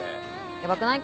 ヤバくない？